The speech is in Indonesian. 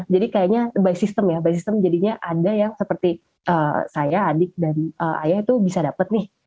jadi kayaknya by system ya by system jadinya ada yang seperti saya adik dan ayah itu bisa dapat nih